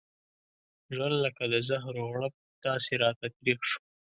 ژوند لکه د زهرو غړپ داسې راته تريخ شو.